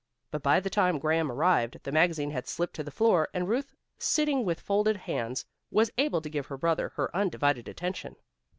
But by the time Graham arrived, the magazine had slipped to the floor and Ruth sitting with folded hands, was able to give her brother her undivided attention.